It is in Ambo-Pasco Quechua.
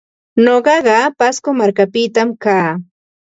Nuqaqa Pasco markapita kaa.